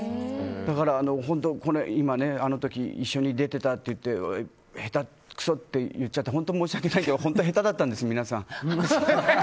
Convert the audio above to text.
だから、本当にこれはあの時一緒に出てたって言って下手くそって言っちゃって本当申し訳ないんですけど下手だったんです、皆さん。